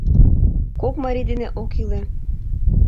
— Кок марий дене ок иле.